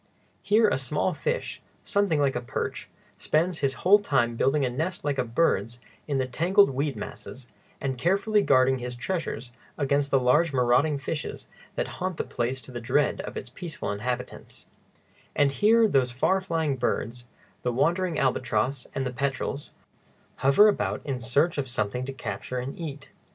Here a small fish, something like a perch, spends his whole time building a nest like a bird's in the tangled weed masses, and carefully guarding his treasures against the large marauding fishes that haunt the place to the dread of its peaceful inhabitants; and here those far flying birds, the wandering albatross and the petrels, hover about in search of something to capture and eat.